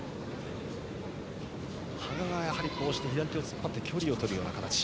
羽賀が左手を突っ張って距離をとるような形。